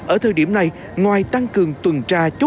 ở thời điểm này ngoài tăng cường tuần tra chốt chặn xử lý kịp thời